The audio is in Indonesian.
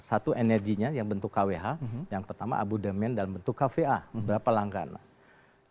satu energinya yang bentuk kwh yang pertama abudement dalam bentuk kva berapa langganan